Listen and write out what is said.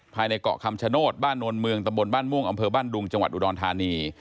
เกาะคำชโนธบ้านโนนเมืองตะบนบ้านม่วงอำเภอบ้านดุงจังหวัดอุดรธานี